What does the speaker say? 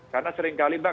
karena sering kali pak